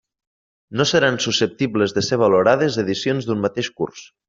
No seran susceptibles de ser valorades edicions d'un mateix curs.